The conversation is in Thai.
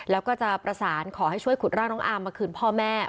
แล้วก็จะประสานขอให้ช่วยขุดร่างน้องอามมาคืนพ่อแม่